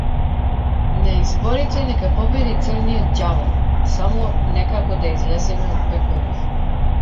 На изборите нека победи црниот ѓавол, само некако да излеземе од пеколов!